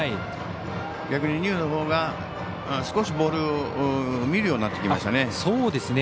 逆に丹生のほうが少しボールを見るようになってきましたね。